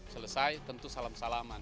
selesai tentu salam salaman